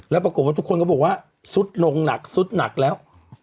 แล้วปรากฏว่าทุกคนก็บอกว่าซุดลงหนักสุดหนักแล้ว